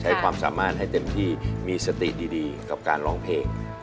ให้ความสามารถให้เต็มที่มีสติดีกับการร้องเพลง